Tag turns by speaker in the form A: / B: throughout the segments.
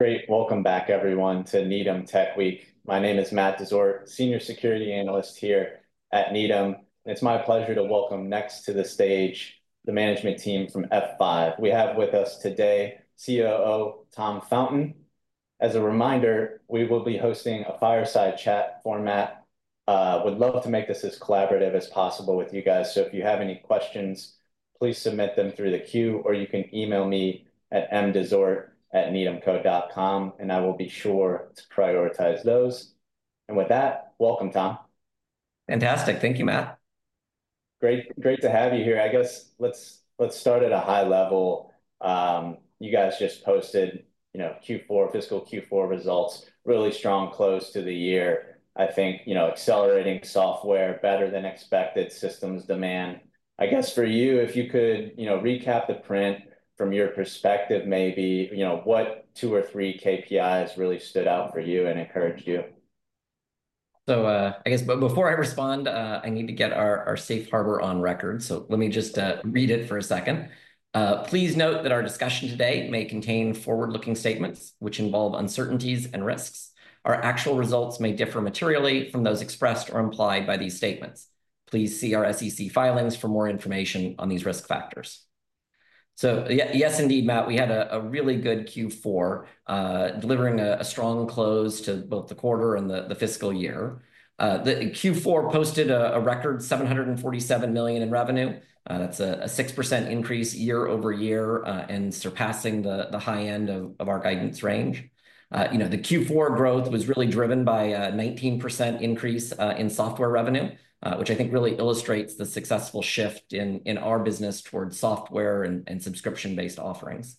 A: Great. Welcome back, everyone, to Needham Tech Week. My name is Matt Desort, Senior Security Analyst here at Needham. It's my pleasure to welcome next to the stage the management team from F5. We have with us today COO Tom Fountain. As a reminder, we will be hosting a fireside chat format. I would love to make this as collaborative as possible with you guys. So if you have any questions, please submit them through the queue, or you can email me at mdessort@needhamco.com, and I will be sure to prioritize those. And with that, welcome, Tom.
B: Fantastic. Thank you, Matt.
A: Great. Great to have you here. I guess, let's start at a high level. You guys just posted, you know, Q4, fiscal Q4 results, really strong close to the year. I think, you know, accelerating software better than expected, systems demand. I guess for you, if you could, you know, recap the print from your perspective, maybe, you know, what two or three KPIs really stood out for you and encouraged you?
B: I guess before I respond, I need to get our safe harbor on record. So let me just read it for a second. "Please note that our discussion today may contain forward-looking statements which involve uncertainties and risks. Our actual results may differ materially from those expressed or implied by these statements. Please see our SEC filings for more information on these risk factors." Yes, indeed, Matt, we had a really good Q4, delivering a strong close to both the quarter and the fiscal year. The Q4 posted a record $747 million in revenue. That's a 6% increase year over year and surpassing the high end of our guidance range. You know, the Q4 growth was really driven by a 19% increase in software revenue, which I think really illustrates the successful shift in our business towards software and subscription-based offerings.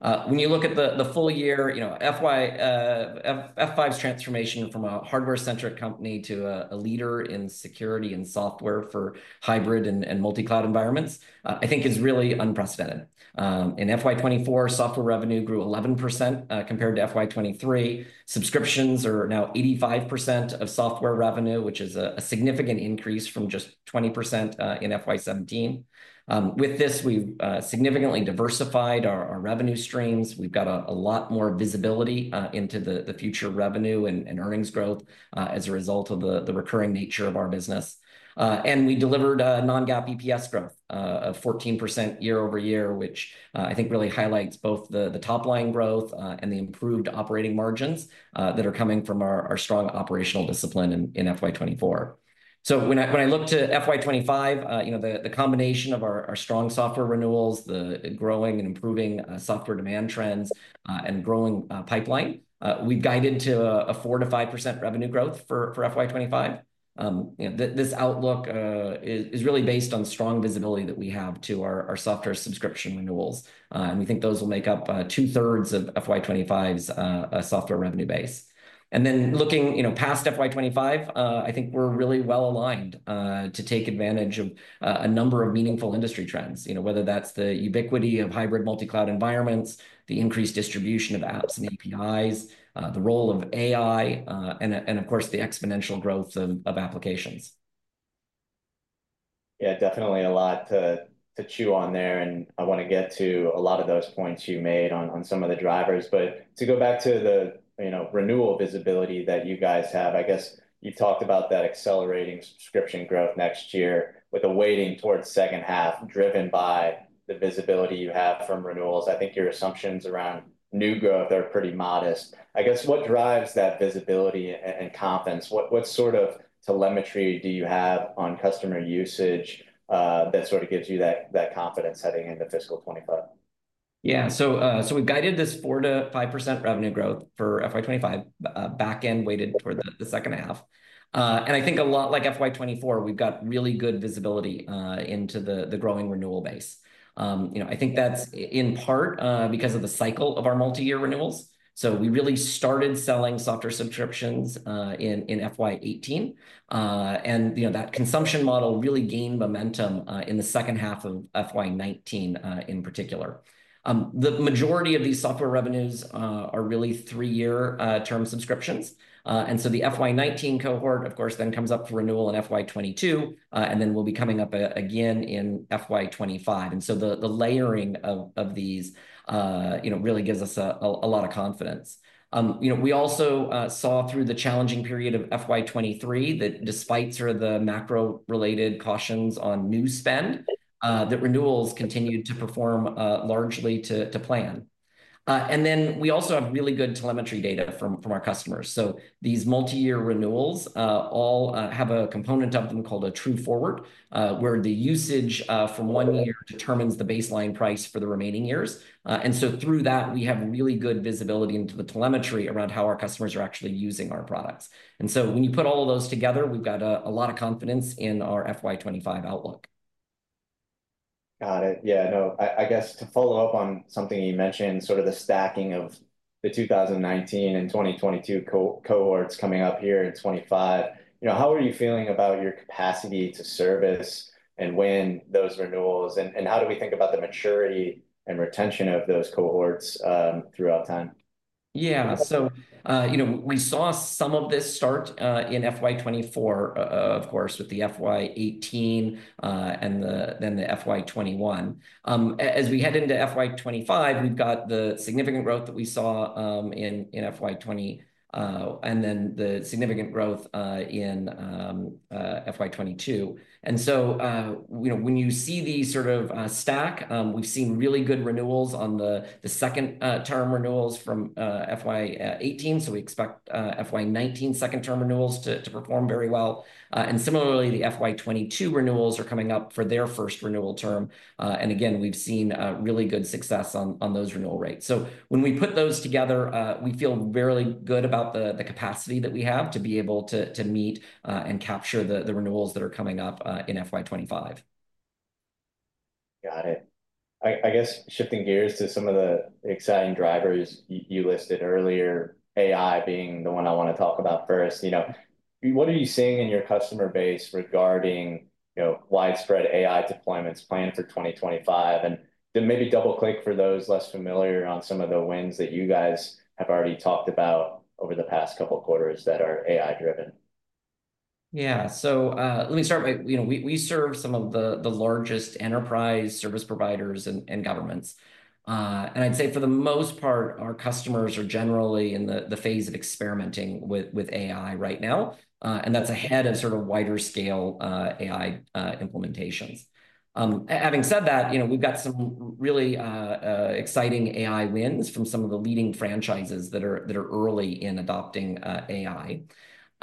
A: When you look at the full year, you know, F5's transformation from a hardware-centric company to a leader in security and software for hybrid and multi-cloud environments, I think, is really unprecedented. In FY24, software revenue grew 11% compared to FY23. Subscriptions are now 85% of software revenue, which is a significant increase from just 20% in FY17. With this, we've significantly diversified our revenue streams. We've got a lot more visibility into the future revenue and earnings growth as a result of the recurring nature of our business. And we delivered Non-GAAP EPS growth of 14% year over year, which I think really highlights both the top-line growth and the improved operating margins that are coming from our strong operational discipline in FY24.
B: So when I look to FY25, you know, the combination of our strong software renewals, the growing and improving software demand trends, and growing pipeline, we've guided to a 4%-5% revenue growth for FY25. This outlook is really based on strong visibility that we have to our software subscription renewals. And we think those will make up two-thirds of FY25's software revenue base. And then looking, you know, past FY25, I think we're really well aligned to take advantage of a number of meaningful industry trends, you know, whether that's the ubiquity of hybrid multi-cloud environments, the increased distribution of apps and APIs, the role of AI, and of course, the exponential growth of applications.
A: Yeah, definitely a lot to chew on there. And I want to get to a lot of those points you made on some of the drivers. But to go back to the, you know, renewal visibility that you guys have, I guess you talked about that accelerating subscription growth next year with a weighting towards second half driven by the visibility you have from renewals. I think your assumptions around new growth are pretty modest. I guess what drives that visibility and confidence? What sort of telemetry do you have on customer usage that sort of gives you that confidence heading into fiscal 2025?
B: Yeah. So we've guided this 4%-5% revenue growth for FY25 back-ended, weighted for the second half. And I think a lot like FY24, we've got really good visibility into the growing renewal base. You know, I think that's in part because of the cycle of our multi-year renewals. So we really started selling software subscriptions in FY18. And, you know, that consumption model really gained momentum in the second half of FY19 in particular. The majority of these software revenues are really three-year term subscriptions. And so the FY19 cohort, of course, then comes up for renewal in FY22, and then we'll be coming up again in FY25. And so the layering of these, you know, really gives us a lot of confidence. You know, we also saw through the challenging period of FY23 that despite sort of the macro-related cautions on new spend, that renewals continued to perform largely to plan. And then we also have really good telemetry data from our customers. So these multi-year renewals all have a component of them called a True Forward, where the usage from one year determines the baseline price for the remaining years. And so through that, we have really good visibility into the telemetry around how our customers are actually using our products. And so when you put all of those together, we've got a lot of confidence in our FY25 outlook.
A: Got it. Yeah. No, I guess to follow up on something you mentioned, sort of the stacking of the 2019 and 2022 cohorts coming up here in 2025, you know, how are you feeling about your capacity to service and win those renewals? And how do we think about the maturity and retention of those cohorts throughout time?
B: Yeah. So, you know, we saw some of this start in FY24, of course, with the FY18 and then the FY21. As we head into FY25, we've got the significant growth that we saw in FY20 and then the significant growth in FY22. And so, you know, when you see the sort of stack, we've seen really good renewals on the second-term renewals from FY18. So we expect FY19 second-term renewals to perform very well. And similarly, the FY22 renewals are coming up for their first renewal term. And again, we've seen really good success on those renewal rates. So when we put those together, we feel very good about the capacity that we have to be able to meet and capture the renewals that are coming up in FY25.
A: Got it. I guess shifting gears to some of the exciting drivers you listed earlier, AI being the one I want to talk about first, you know, what are you seeing in your customer base regarding, you know, widespread AI deployments planned for 2025? And then maybe double-click for those less familiar on some of the wins that you guys have already talked about over the past couple of quarters that are AI-driven.
B: Yeah. So let me start by, you know, we serve some of the largest enterprise service providers and governments. And I'd say for the most part, our customers are generally in the phase of experimenting with AI right now. And that's ahead of sort of wider-scale AI implementations. Having said that, you know, we've got some really exciting AI wins from some of the leading franchises that are early in adopting AI.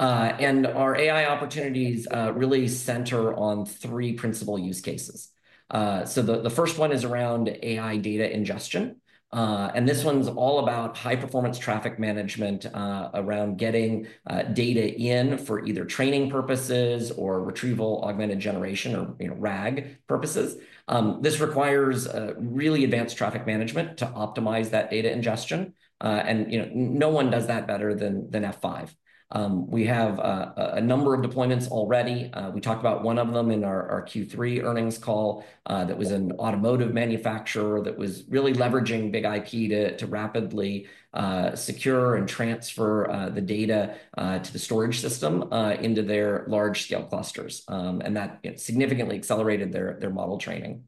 B: And our AI opportunities really center on three principal use cases. So the first one is around AI data ingestion. And this one's all about high-performance traffic management around getting data in for either training purposes or retrieval augmented generation or RAG purposes. This requires really advanced traffic management to optimize that data ingestion. And, you know, no one does that better than F5. We have a number of deployments already. We talked about one of them in our Q3 earnings call that was an automotive manufacturer that was really leveraging BIG-IP to rapidly secure and transfer the data to the storage system into their large-scale clusters. And that significantly accelerated their model training.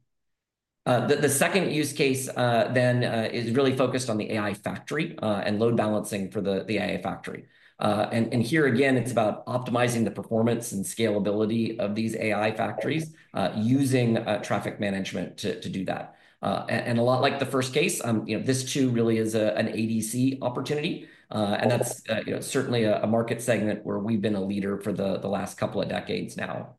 B: The second use case then is really focused on the AI factory and load balancing for the AI factory. And here, again, it's about optimizing the performance and scalability of these AI factories using traffic management to do that. And a lot like the first case, you know, this too really is an ADC opportunity. And that's certainly a market segment where we've been a leader for the last couple of decades now.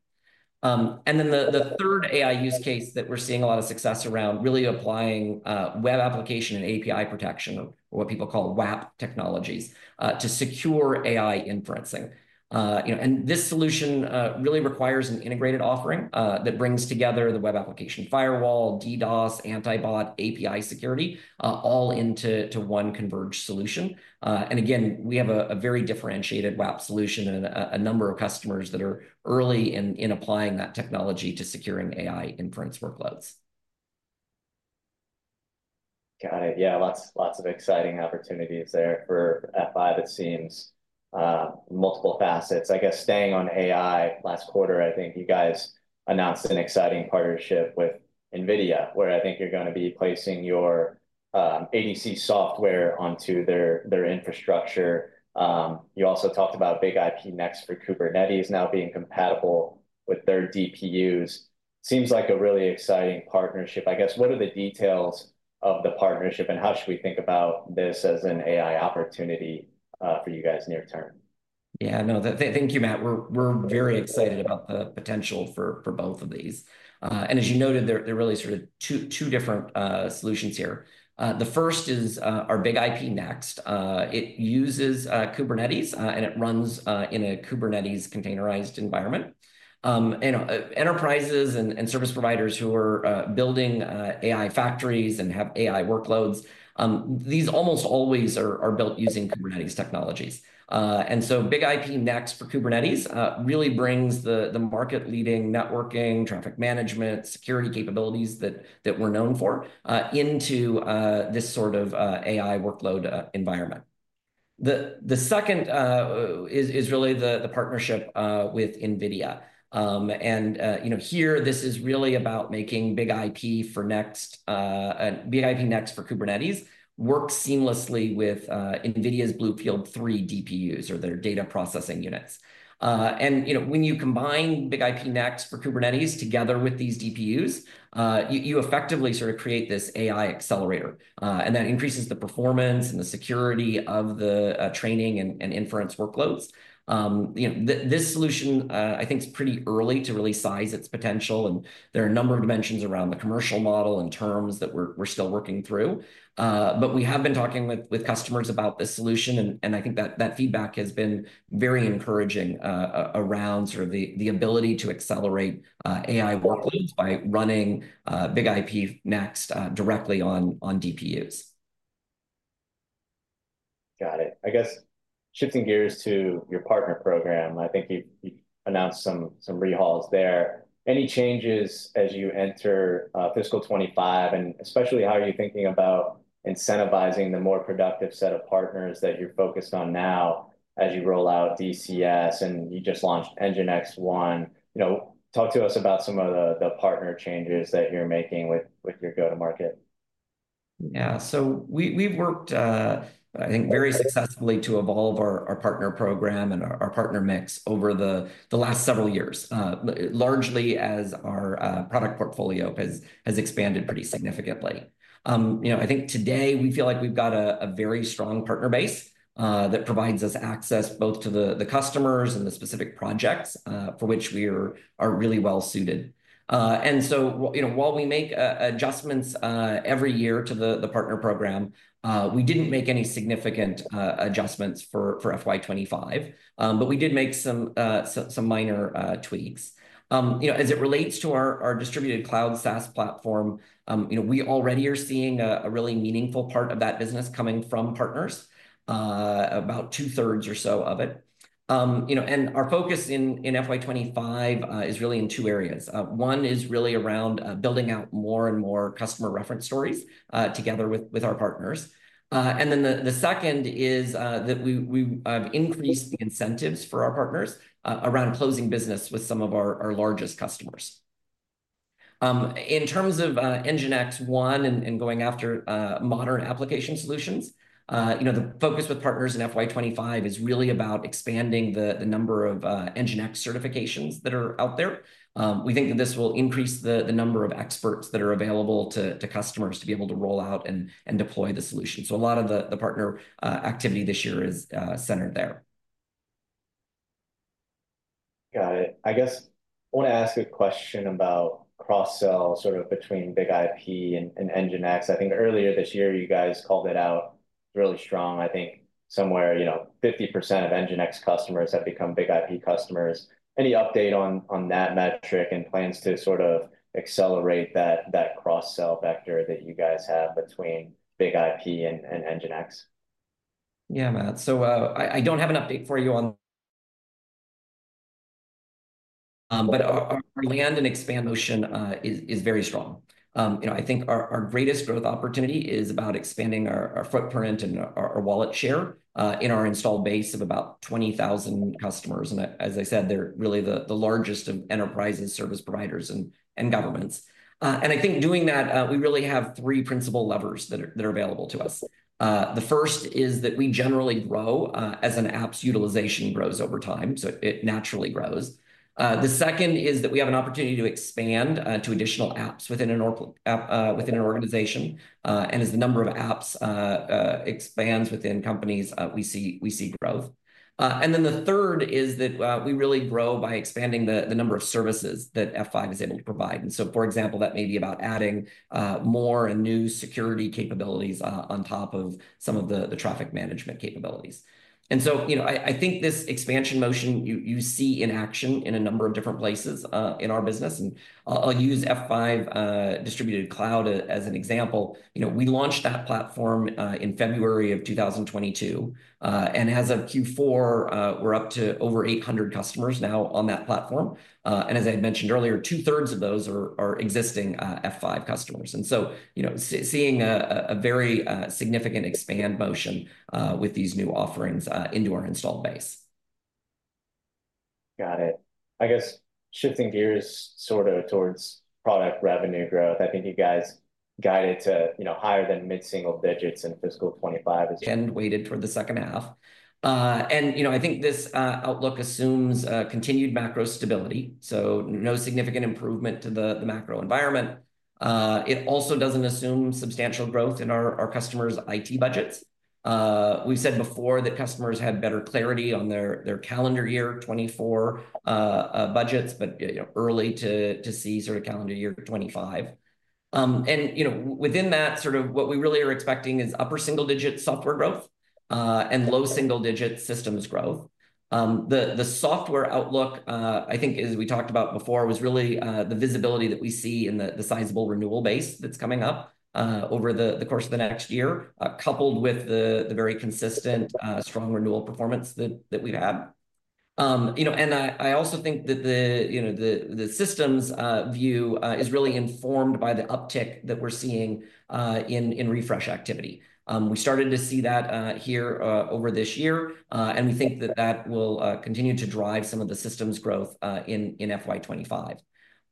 B: And then the third AI use case that we're seeing a lot of success around really applying web application and API protection, or what people call WAAP technologies, to secure AI inferencing. You know, and this solution really requires an integrated offering that brings together the web application firewall, DDoS, anti-bot, API security, all into one converged solution. And again, we have a very differentiated WAAP solution and a number of customers that are early in applying that technology to securing AI inference workloads.
A: Got it. Yeah, lots of exciting opportunities there for F5, it seems, multiple facets. I guess staying on AI, last quarter, I think you guys announced an exciting partnership with NVIDIA, where I think you're going to be placing your ADC software onto their infrastructure. You also talked about BIG-IP Next for Kubernetes now being compatible with their DPUs. Seems like a really exciting partnership. I guess what are the details of the partnership and how should we think about this as an AI opportunity for you guys near term?
B: Yeah, no, thank you, Matt. We're very excited about the potential for both of these. And as you noted, there are really sort of two different solutions here. The first is our BIG-IP Next. It uses Kubernetes and it runs in a Kubernetes containerized environment. And enterprises and service providers who are building AI factories and have AI workloads, these almost always are built using Kubernetes technologies. And so BIG-IP Next for Kubernetes really brings the market-leading networking, traffic management, security capabilities that we're known for into this sort of AI workload environment. The second is really the partnership with NVIDIA. And, you know, here, this is really about making BIG-IP for Kubernetes work seamlessly with NVIDIA's BlueField-3 DPUs, or their data processing units. And, you know, when you combine BIG-IP Next for Kubernetes together with these DPUs, you effectively sort of create this AI accelerator. And that increases the performance and the security of the training and inference workloads. You know, this solution, I think, is pretty early to really size its potential. And there are a number of dimensions around the commercial model and terms that we're still working through. But we have been talking with customers about this solution. And I think that feedback has been very encouraging around sort of the ability to accelerate AI workloads by running BIG-IP Next directly on DPUs.
A: Got it. I guess shifting gears to your partner program, I think you've announced some recalLs there. Any changes as you enter fiscal 2025? And especially, how are you thinking about incentivizing the more productive set of partners that you're focused on now as you roll out DCS? And you just launched NGINX One. You know, talk to us about some of the partner changes that you're making with your go-to-market.
B: Yeah. So we've worked, I think, very successfully to evolve our partner program and our partner mix over the last several years, largely as our product portfolio has expanded pretty significantly. You know, I think today we feel like we've got a very strong partner base that provides us access both to the customers and the specific projects for which we are really well suited, and so, you know, while we make adjustments every year to the partner program, we didn't make any significant adjustments for FY25, but we did make some minor tweaks. You know, as it relates to our distributed cloud SaaS platform, you know, we already are seeing a really meaningful part of that business coming from partners, about two-thirds or so of it. You know, and our focus in FY25 is really in two areas. One is really around building out more and more customer reference stories together with our partners. And then the second is that we have increased the incentives for our partners around closing business with some of our largest customers. In terms of NGINX One and going after modern application solutions, you know, the focus with partners in FY25 is really about expanding the number of NGINX certifications that are out there. We think that this will increase the number of experts that are available to customers to be able to roll out and deploy the solution. So a lot of the partner activity this year is centered there.
A: Got it. I guess I want to ask a question about cross-sell sort of between BIG-IP and NGINX. I think earlier this year, you guys called it out really strong. I think somewhere, you know, 50% of NGINX customers have become BIG-IP customers. Any update on that metric and plans to sort of accelerate that cross-sell vector that you guys have between BIG-IP and NGINX?
B: Yeah, Matt. So I don't have an update for you on. But our land and expand motion is very strong. You know, I think our greatest growth opportunity is about expanding our footprint and our wallet share in our installed base of about 20,000 customers. And as I said, they're really the largest of enterprises, service providers, and governments. And I think doing that, we really have three principal levers that are available to us. The first is that we generally grow as an app's utilization grows over time. So it naturally grows. The second is that we have an opportunity to expand to additional apps within an organization. And as the number of apps expands within companies, we see growth. And then the third is that we really grow by expanding the numbers of services that F5 is able to provide. And so, for example, that may be about adding more and new security capabilities on top of some of the traffic management capabilities. And so, you know, I think this expansion motion, you see in action in a number of different places in our business. And I'll use F5 Distributed Cloud as an example. You know, we launched that platform in February of 2022. And as of Q4, we're up to over 800 customers now on that platform. And as I had mentioned earlier, two-thirds of those are existing F5 customers. And so, you know, seeing a very significant expand motion with these new offerings into our installed base.
A: Got it. I guess shifting gears sort of towards product revenue growth, I think you guys guided to, you know, higher than mid-single digits in fiscal 2025. Waited for the second half.
B: You know, I think this outlook assumes continued macro stability. No significant improvement to the macro environment. It also doesn't assume substantial growth in our customers' IT budgets. We've said before that customers had better clarity on their calendar year 2024 budgets, but early to see sort of calendar year 2025. You know, within that, sort of what we really are expecting is upper single-digit software growth and low single-digit systems growth. The software outlook, I think, as we talked about before, was really the visibility that we see in the sizable renewal base that's coming up over the course of the next year, coupled with the very consistent strong renewal performance that we've had. You know, I also think that the, you know, the systems view is really informed by the uptick that we're seeing in refresh activity. We started to see that here over this year, and we think that that will continue to drive some of the systems growth in FY25.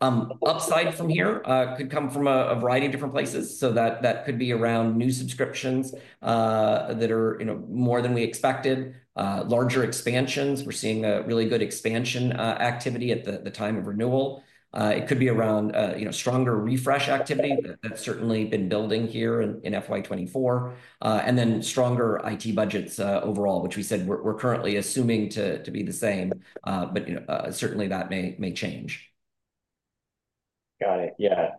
B: Upside from here could come from a variety of different places, so that could be around new subscriptions that are more than we expected, larger expansions. We're seeing a really good expansion activity at the time of renewal. It could be around, you know, stronger refresh activity that's certainly been building here in FY24, and then stronger IT budgets overall, which we said we're currently assuming to be the same, but, you know, certainly that may change.
A: Got it. Yeah.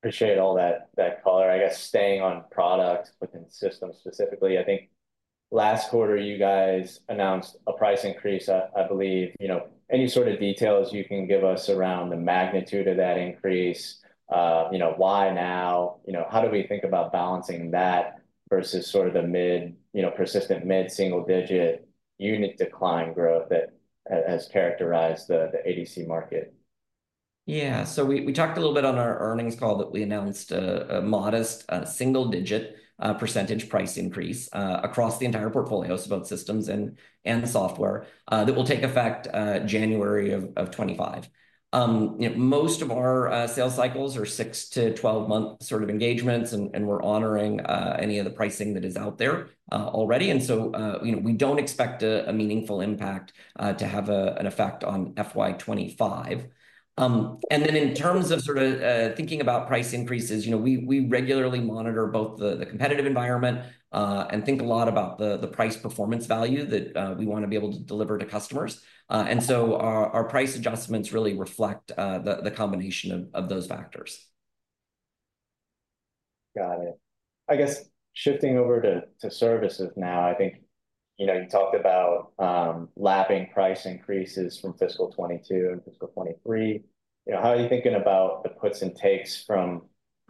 A: Appreciate all that color. I guess staying on product within systems specifically, I think last quarter, you guys announced a price increase. I believe, you know, any sort of details you can give us around the magnitude of that increase, you know, why now, you know, how do we think about balancing that versus sort of the mid, you know, persistent mid-single-digit unit decline growth that has characterized the ADC market?
B: Yeah, so we talked a little bit on our earnings call that we announced a modest single-digit % price increase across the entire portfolio of both systems and software that will take effect January of 2025. You know, most of our sales cycles are six- to 12-month sort of engagements. And we're honoring any of the pricing that is out there already. And so, you know, we don't expect a meaningful impact to have an effect on FY25. And then in terms of sort of thinking about price increases, you know, we regularly monitor both the competitive environment and think a lot about the price performance value that we want to be able to deliver to customers. And so our price adjustments really reflect the combination of those factors.
A: Got it. I guess shifting over to services now, I think, you know, you talked about lapping price increases from fiscal 2022 and fiscal 2023. You know, how are you thinking about the puts and takes for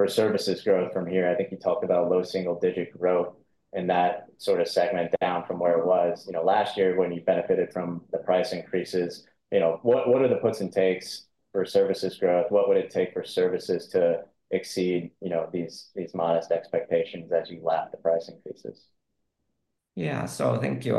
A: services growth from here? I think you talked about low single-digit growth in that sort of segment down from where it was, you know, last year when you benefited from the price increases. You know, what are the puts and takes for services growth? What would it take for services to exceed, you know, these modest expectations as you lapped the price increases?
B: Yeah. So thank you.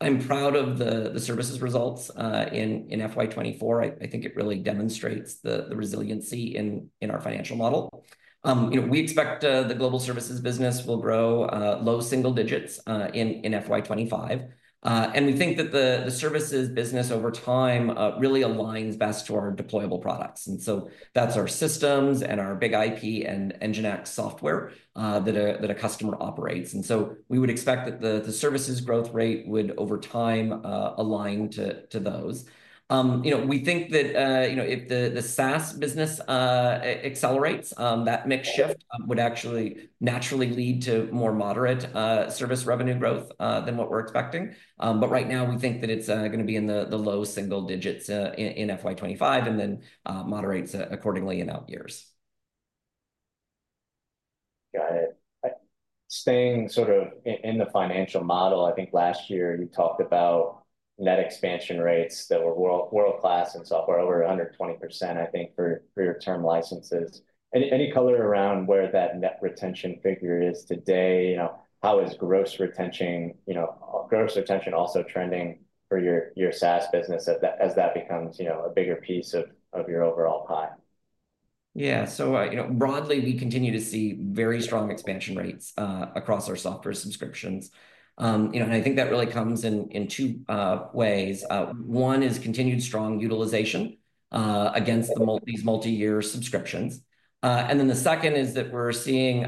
B: I'm proud of the services results in FY24. I think it really demonstrates the resiliency in our financial model. You know, we expect the global services business will grow low single digits in FY25. And we think that the services business over time really aligns best to our deployable products. And so that's our systems and our BIG-IP and NGINX software that a customer operates. And so we would expect that the services growth rate would over time align to those. You know, we think that, you know, if the SaaS business accelerates, that mix shift would actually naturally lead to more moderate service revenue growth than what we're expecting. But right now, we think that it's going to be in the low single digits in FY25 and then moderates accordingly in out years.
A: Got it. Staying sort of in the financial model, I think last year you talked about net expansion rates that were world-class in software over 120%, I think, for your term licenses. Any color around where that net retention figure is today? You know, how is gross retention, you know, gross retention also trending for your SaaS business as that becomes, you know, a bigger piece of your overall pie?
B: Yeah, so, you know, broadly, we continue to see very strong expansion rates across our software subscriptions. You know, and I think that really comes in two ways. One is continued strong utilization against these multi-year subscriptions, and then the second is that we're seeing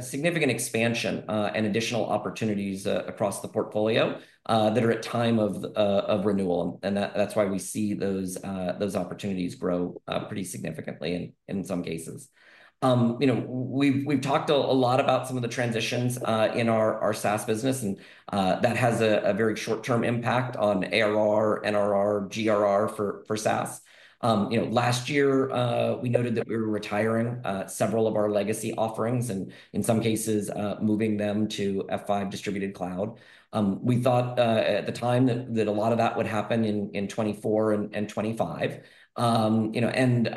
B: significant expansion and additional opportunities across the portfolio that are at time of renewal, and that's why we see those opportunities grow pretty significantly in some cases. You know, we've talked a lot about some of the transitions in our SaaS business, and that has a very short-term impact on ARR, NRR, GRR for SaaS. You know, last year, we noted that we were retiring several of our legacy offerings and in some cases moving them to F5 Distributed Cloud. We thought at the time that a lot of that would happen in 2024 and 2025. You know, and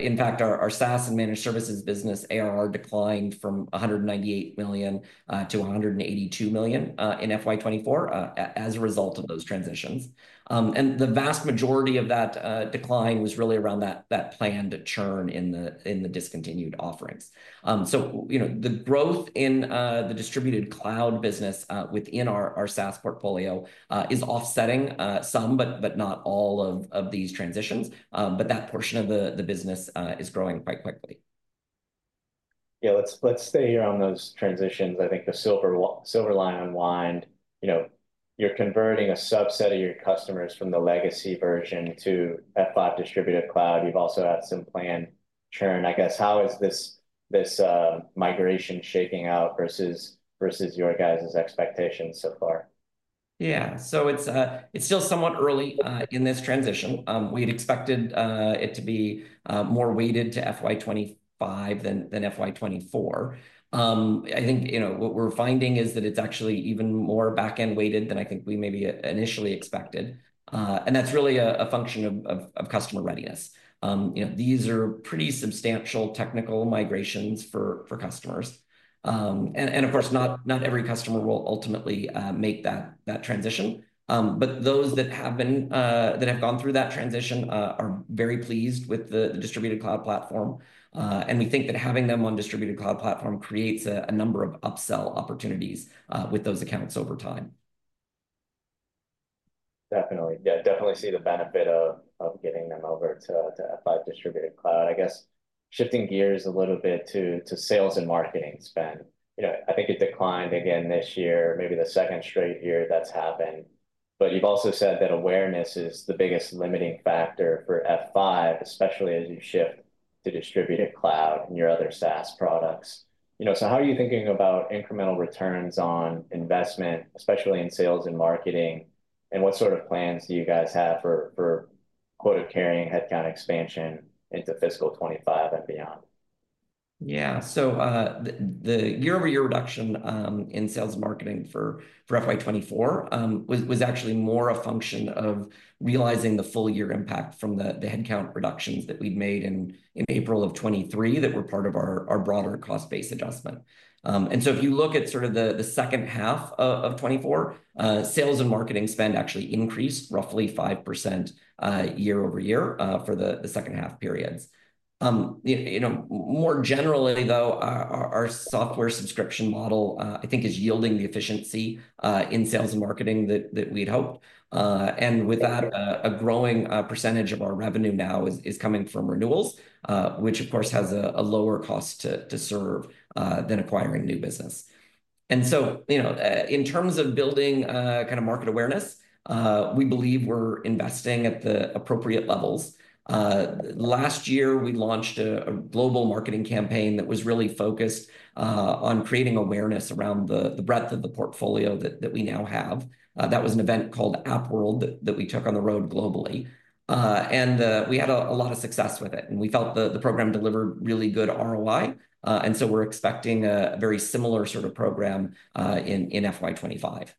B: in fact, our SaaS and managed services business ARR declined from $198 million to $182 million in FY24 as a result of those transitions. And the vast majority of that decline was really around that planned churn in the discontinued offerings. So, you know, the growth in the distributed cloud business within our SaaS portfolio is offsetting some, but not all of these transitions. But that portion of the business is growing quite quickly.
A: Yeah. Let's stay here on those transitions. I think the Silverline unwind, you know, you're converting a subset of your customers from the legacy version to F5 Distributed Cloud. You've also had some planned churn. I guess how is this migration shaking out versus your guys' expectations so far?
B: Yeah. So it's still somewhat early in this transition. We had expected it to be more weighted to FY25 than FY24. I think, you know, what we're finding is that it's actually even more back-end weighted than I think we maybe initially expected. And that's really a function of customer readiness. You know, these are pretty substantial technical migrations for customers. And of course, not every customer will ultimately make that transition. But those that have gone through that transition are very pleased with the distributed cloud platform. And we think that having them on distributed cloud platform creates a number of upsell opportunities with those accounts over time.
A: Definitely. Yeah. Definitely see the benefit of getting them over to F5 Distributed Cloud. I guess shifting gears a little bit to sales and marketing spend. You know, I think it declined again this year, maybe the second straight year that's happened. But you've also said that awareness is the biggest limiting factor for F5, especially as you shift to distributed cloud and your other SaaS products. You know, so how are you thinking about incremental returns on investment, especially in sales and marketing? And what sort of plans do you guys have for quota carrying headcount expansion into fiscal 2025 and beyond?
B: Yeah, so the year-over-year reduction in sales and marketing for FY24 was actually more a function of realizing the full year impact from the headcount reductions that we'd made in April of 2023 that were part of our broader cost-based adjustment, and so if you look at sort of the second half of 2024, sales and marketing spend actually increased roughly 5% year-over-year for the second half periods. You know, more generally though, our software subscription model, I think, is yielding the efficiency in sales and marketing that we'd hoped, and with that, a growing percentage of our revenue now is coming from renewals, which of course has a lower cost to serve than acquiring new business, and so, you know, in terms of building kind of market awareness, we believe we're investing at the appropriate levels. Last year, we launched a global marketing campaign that was really focused on creating awareness around the breadth of the portfolio that we now have. That was an event called AppWorld that we took on the road globally, and we had a lot of success with it, and we felt the program delivered really good ROI, and so we're expecting a very similar sort of program in FY25.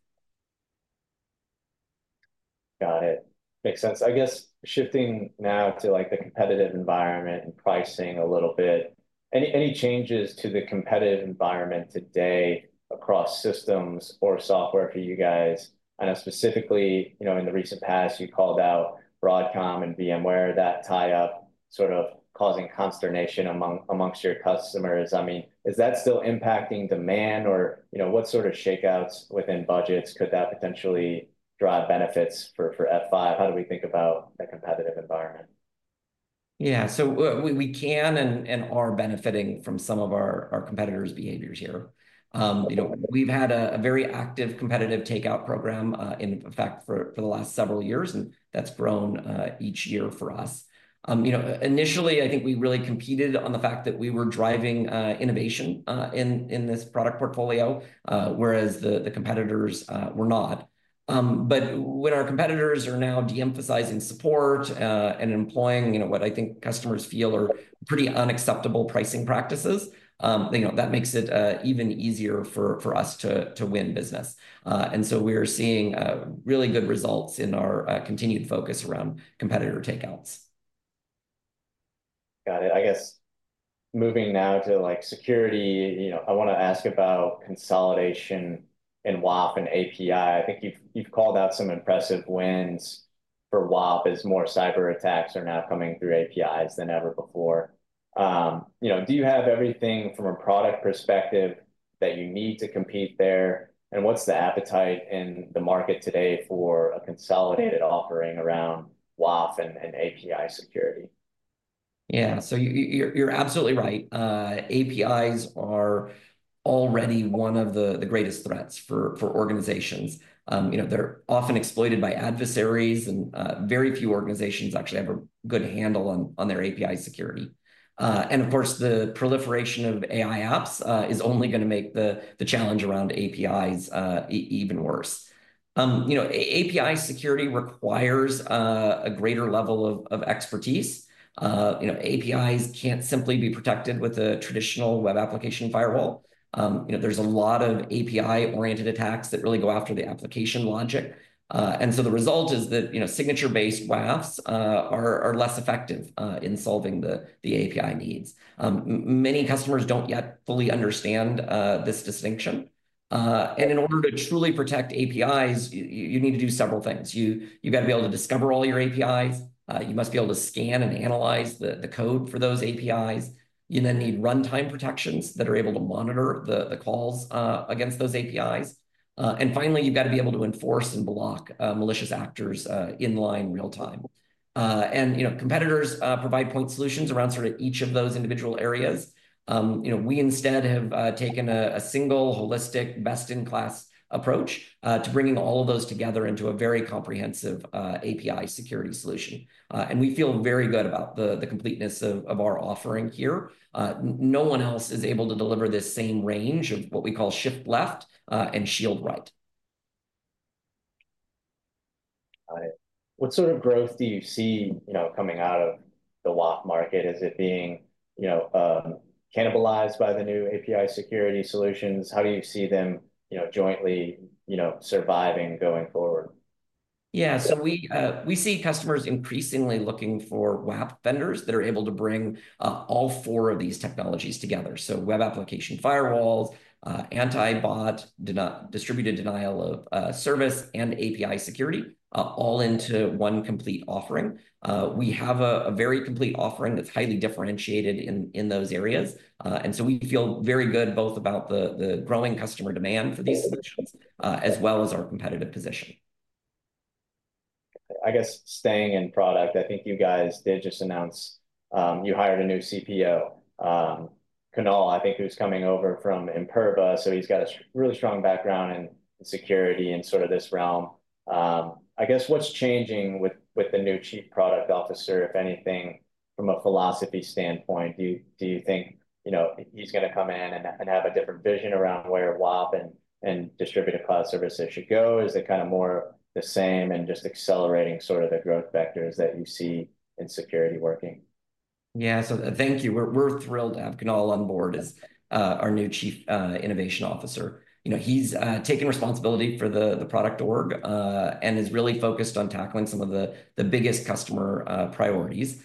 A: Got it. Makes sense. I guess shifting now to like the competitive environment and pricing a little bit, any changes to the competitive environment today across systems or software for you guys? I know specifically, you know, in the recent past, you called out Broadcom and VMware that tie-up sort of causing consternation amongst your customers. I mean, is that still impacting demand? Or, you know, what sort of shakeouts within budgets could that potentially drive benefits for F5? How do we think about that competitive environment?
B: Yeah. So we can and are benefiting from some of our competitors' behaviors here. You know, we've had a very active competitive take-out program in effect for the last several years. And that's grown each year for us. You know, initially, I think we really competed on the fact that we were driving innovation in this product portfolio, whereas the competitors were not. But when our competitors are now de-emphasizing support and employing, you know, what I think customers feel are pretty unacceptable pricing practices, you know, that makes it even easier for us to win business. And so we are seeing really good results in our continued focus around competitor takeouts.
A: Got it. I guess moving now to like security, you know, I want to ask about consolidation in WAF and API. I think you've called out some impressive wins for WAF as more cyber attacks are now coming through APIs than ever before. You know, do you have everything from a product perspective that you need to compete there? And what's the appetite in the market today for a consolidated offering around WAF and API security?
B: Yeah. So you're absolutely right. APIs are already one of the greatest threats for organizations. You know, they're often exploited by adversaries. And very few organizations actually have a good handle on their API security. And of course, the proliferation of AI apps is only going to make the challenge around APIs even worse. You know, API security requires a greater level of expertise. You know, APIs can't simply be protected with a traditional web application firewall. You know, there's a lot of API-oriented attacks that really go after the application logic. And so the result is that, you know, signature-based WAFs are less effective in solving the API needs. Many customers don't yet fully understand this distinction. And in order to truly protect APIs, you need to do several things. You've got to be able to discover all your APIs. You must be able to scan and analyze the code for those APIs. You then need runtime protections that are able to monitor the calls against those APIs. And finally, you've got to be able to enforce and block malicious actors in line real time. And, you know, competitors provide point solutions around sort of each of those individual areas. You know, we instead have taken a single, holistic, best-in-class approach to bringing all of those together into a very comprehensive API security solution. And we feel very good about the completeness of our offering here. No one else is able to deliver this same range of what we call shift left and shield right.
A: Got it. What sort of growth do you see, you know, coming out of the WAF market? Is it being, you know, cannibalized by the new API security solutions? How do you see them, you know, jointly, you know, surviving going forward?
B: Yeah. So we see customers increasingly looking for WAF vendors that are able to bring all four of these technologies together. So web application firewalls, anti-bot, distributed denial of service, and API security all into one complete offering. We have a very complete offering that's highly differentiated in those areas. And so we feel very good both about the growing customer demand for these solutions as well as our competitive position.
A: I guess staying in product, I think you guys did just announce you hired a new CPO, Kunal, I think, who's coming over from Imperva. So he's got a really strong background in security and sort of this realm. I guess what's changing with the new chief product officer, if anything, from a philosophy standpoint? Do you think, you know, he's going to come in and have a different vision around where WAF and distributed cloud services should go? Is it kind of more the same and just accelerating sort of the growth vectors that you see in security working?
B: Yeah. So thank you. We're thrilled to have Kunal on board as our new Chief Innovation Officer. You know, he's taken responsibility for the product org and is really focused on tackling some of the biggest customer priorities.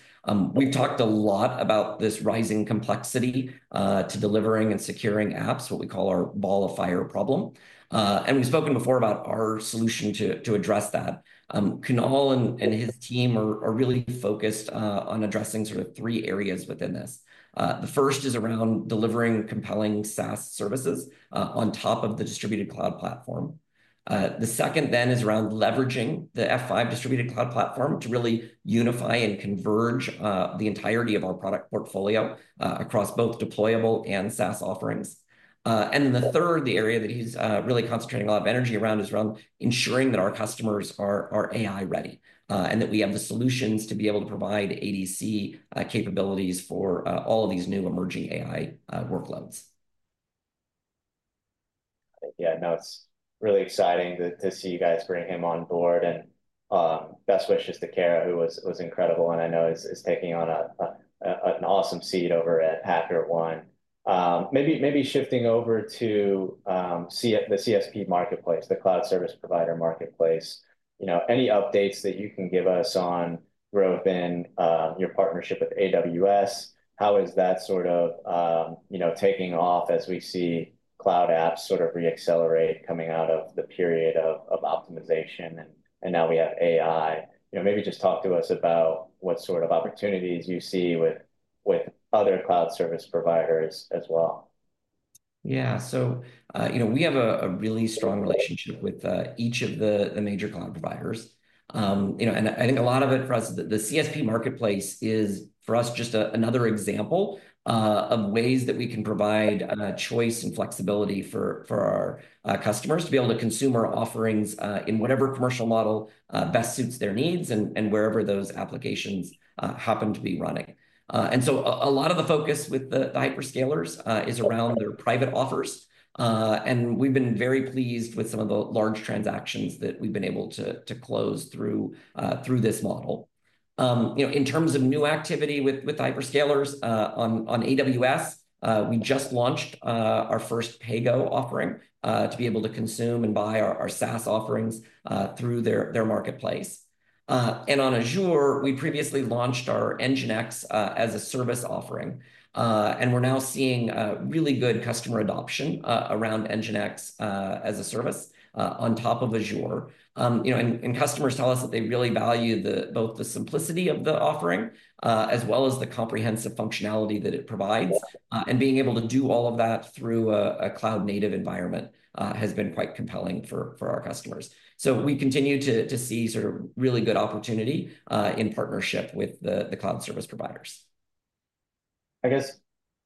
B: We've talked a lot about this rising complexity to delivering and securing apps, what we call our ball of fire problem. And we've spoken before about our solution to address that. Kunal and his team are really focused on addressing sort of three areas within this. The first is around delivering compelling SaaS services on top of the distributed cloud platform. The second then is around leveraging the F5 distributed cloud platform to really unify and converge the entirety of our product portfolio across both deployable and SaaS offerings. The third area that he's really concentrating a lot of energy around is ensuring that our customers are AI ready and that we have the solutions to be able to provide ADC capabilities for all of these new emerging AI workloads.
A: Yeah. No, it's really exciting to see you guys bring him on board. And best wishes to Kara, who was incredible and I know is taking on an awesome seat over at HackerOne. Maybe shifting over to the CSP marketplace, the cloud service provider marketplace. You know, any updates that you can give us on growth in your partnership with AWS? How is that sort of, you know, taking off as we see cloud apps sort of re-accelerate coming out of the period of optimization? And now we have AI. You know, maybe just talk to us about what sort of opportunities you see with other cloud service providers as well.
B: Yeah. So, you know, we have a really strong relationship with each of the major cloud providers. You know, and I think a lot of it for us, the CSP marketplace is for us just another example of ways that we can provide choice and flexibility for our customers to be able to consume our offerings in whatever commercial model best suits their needs and wherever those applications happen to be running. And so a lot of the focus with the hyperscalers is around their private offers. And we've been very pleased with some of the large transactions that we've been able to close through this model. You know, in terms of new activity with hyperscalers on AWS, we just launched our first PAYG offering to be able to consume and buy our SaaS offerings through their marketplace. And on Azure, we previously launched our NGINX as a Service offering. And we're now seeing really good customer adoption around NGINX as a Service on top of Azure. You know, and customers tell us that they really value both the simplicity of the offering as well as the comprehensive functionality that it provides. And being able to do all of that through a cloud-native environment has been quite compelling for our customers. So we continue to see sort of really good opportunity in partnership with the cloud service providers.
A: I guess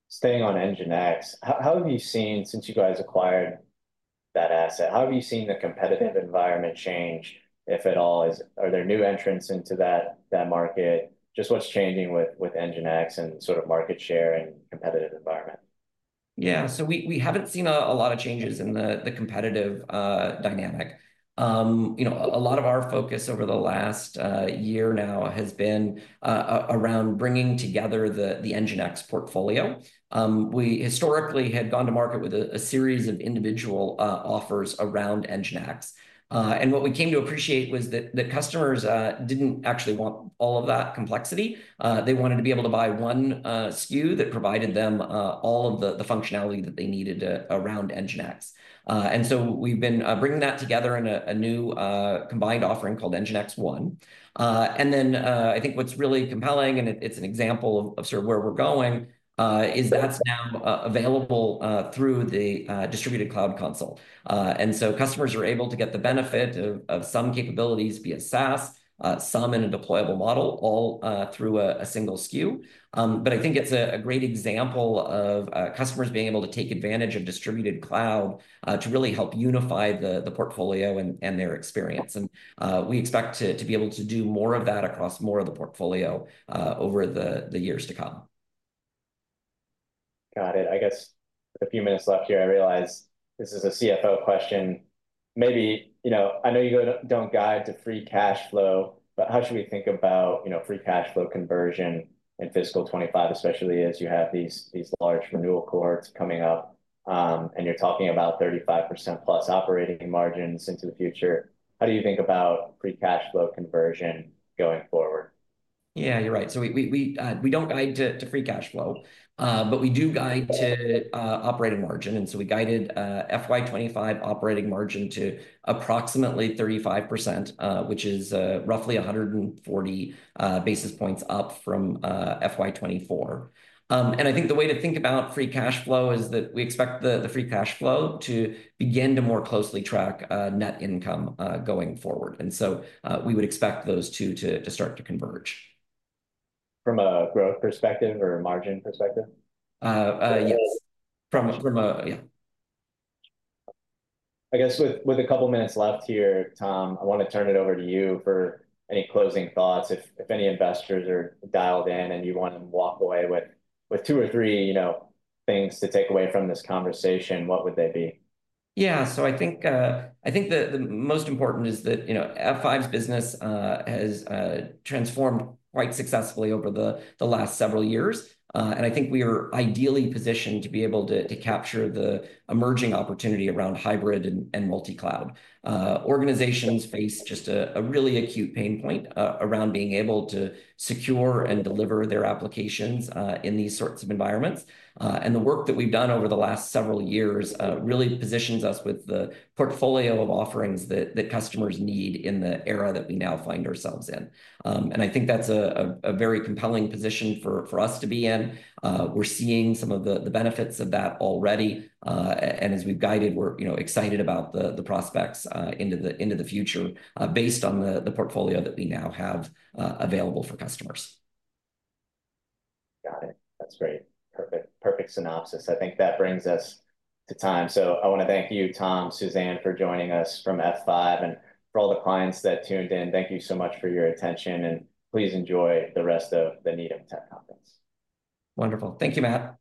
A: staying on NGINX, how have you seen since you guys acquired that asset, how have you seen the competitive environment change, if at all? Are there new entrants into that market? Just what's changing with NGINX and sort of market share and competitive environment?
B: Yeah. So we haven't seen a lot of changes in the competitive dynamic. You know, a lot of our focus over the last year now has been around bringing together the NGINX portfolio. We historically had gone to market with a series of individual offers around NGINX. And what we came to appreciate was that customers didn't actually want all of that complexity. They wanted to be able to buy one SKU that provided them all of the functionality that they needed around NGINX. And so we've been bringing that together in a new combined offering called NGINX One. And then I think what's really compelling, and it's an example of sort of where we're going, is that's now available through the distributed cloud console. And so customers are able to get the benefit of some capabilities via SaaS, some in a deployable model, all through a single SKU. But I think it's a great example of customers being able to take advantage of distributed cloud to really help unify the portfolio and their experience, and we expect to be able to do more of that across more of the portfolio over the years to come.
A: Got it. I guess a few minutes left here. I realize this is a CFO question. Maybe, you know, I know you go to don't guide to free cash flow, but how should we think about, you know, free cash flow conversion in fiscal 2025, especially as you have these large renewal cohorts coming up and you're talking about 35% plus operating margins into the future? How do you think about free cash flow conversion going forward?
B: Yeah, you're right. So we don't guide to free cash flow, but we do guide to operating margin. And so we guided FY25 operating margin to approximately 35%, which is roughly 140 basis points up from FY24. And I think the way to think about free cash flow is that we expect the free cash flow to begin to more closely track net income going forward. And so we would expect those two to start to converge.
A: From a growth perspective or a margin perspective?
B: Yes. From a, yeah.
A: I guess with a couple of minutes left here, Tom, I want to turn it over to you for any closing thoughts. If any investors are dialed in and you want to walk away with two or three, you know, things to take away from this conversation, what would they be?
B: Yeah, so I think the most important is that, you know, F5's business has transformed quite successfully over the last several years, and I think we are ideally positioned to be able to capture the emerging opportunity around hybrid and multi-cloud. Organizations face just a really acute pain point around being able to secure and deliver their applications in these sorts of environments, and the work that we've done over the last several years really positions us with the portfolio of offerings that customers need in the era that we now find ourselves in, and I think that's a very compelling position for us to be in. We're seeing some of the benefits of that already, and as we've guided, we're, you know, excited about the prospects into the future based on the portfolio that we now have available for customers.
A: Got it. That's great. Perfect, perfect synopsis. I think that brings us to time, so I want to thank you, Tom, Suzanne, for joining us from F5, and for all the clients that tuned in, thank you so much for your attention, and please enjoy the rest of the Needham Tech Conference.
B: Wonderful. Thank you, Matt.